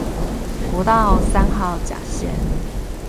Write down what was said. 國道三號甲線